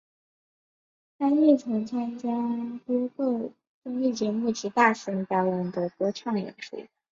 他亦曾参与多个综艺节目及大型表演的歌唱演出。